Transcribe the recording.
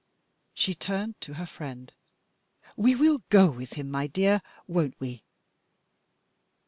She turned to her friend. "We will go with him, my dear, won't we?"